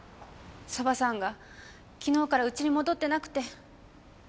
沢さんが昨日からうちに戻ってなくて。